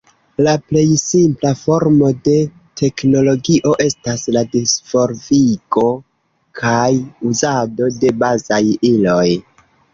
La plej simpla formo de teknologio estas la disvolvigo kaj uzado de bazaj iloj.